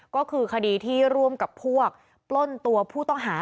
ก็คือคดีที่ร่วมกับพวกปล้นตัวผู้ต้องหา